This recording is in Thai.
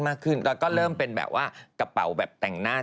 มากขึ้นแล้วก็เริ่มเป็นแบบว่ากระเป๋าแบบแต่งหน้า